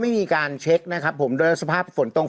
ไม่มีการเช็กโดยสภาพฝนตก